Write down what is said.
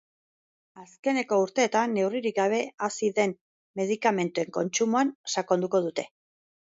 Azkeneko urteetan neurririk gabe hazi den medikamenduen kontsumoan sakonduko dute.